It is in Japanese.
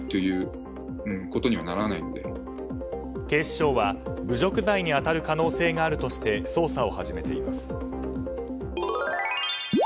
警視庁は侮辱罪に当たる可能性があるとして捜査を始めています。